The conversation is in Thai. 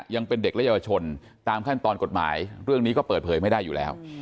ยังเป็นเด็กและเยาวชนตามขั้นตอนกฎหมายเรื่องนี้ก็เปิดเผยไม่ได้อยู่แล้ว